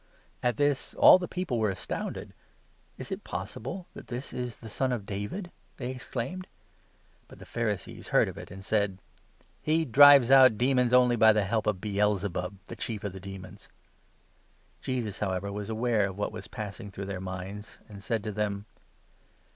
At this all the people were astounded. 23 "Is it possible that this is the son of David?" they exclaimed. But the Pharisees heard of it and said : 24 "He drives out demons only by the help of Je8"/A^""ed Baal zebub the chief of the demons." by the Help Jesus, however, was aware of what was passing 25 of Satan. jn tjle;r mjncJS) ancj sajd to them